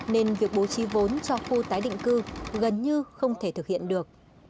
nên việc bố trí vốn cho khu tái định cư gần như không thể thực hiện được